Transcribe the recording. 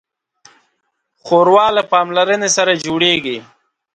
ښوروا له پاملرنې سره جوړیږي.